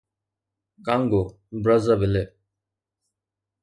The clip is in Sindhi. Congo - Brazzaville